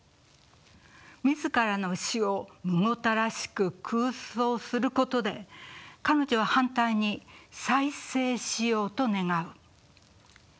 自らの死をむごたらしく空想することで彼女は反対に再生しようと願う。